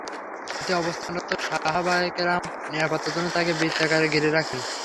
সাথে অবস্থানরত সাহাবায়ে কেরাম নিরাপত্তার জন্য তাঁকে বৃত্তাকারে ঘিরে রাখেন।